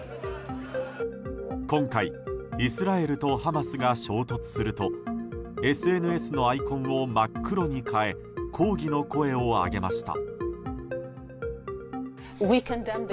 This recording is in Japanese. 今回、イスラエルとハマスが衝突するとＳＮＳのアイコンを真っ黒に変え抗議の声を上げました。